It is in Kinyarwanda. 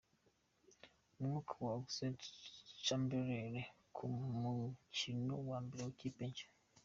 Umwaku wa Oxlade Chamberlain ku mukino wa mbere mu ikipe Nshya.